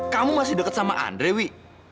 kamu masih dekat sama andre wi